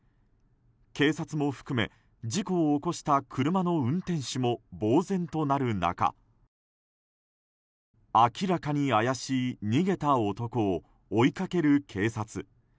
警察も含め事故を起こした車の運転手もぼうぜんとなる中明らかに怪しい逃げた男を追いかける警察。